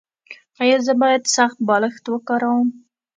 ایا زه باید سخت بالښت وکاروم؟